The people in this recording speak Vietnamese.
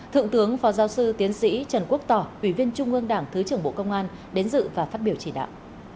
thượng tướng phó giáo sư tiến sĩ trần quốc tỏ ủy viên trung ương đảng thứ trưởng bộ công an đến dự và phát biểu chỉ đạo